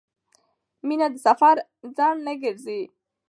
مینه د سفر خنډ نه ګرځي.